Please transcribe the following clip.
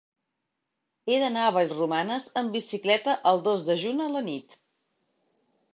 He d'anar a Vallromanes amb bicicleta el dos de juny a la nit.